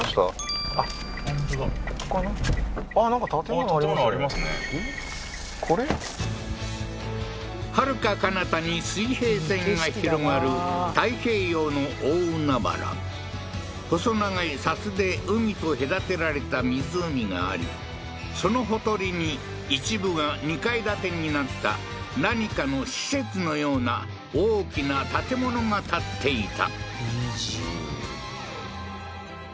本当だはるかかなたに水平線が広がる太平洋の大海原細長い砂州で海と隔てられた湖がありそのほとりに一部が２階建てになった何かの施設のような大きな建物が建っていた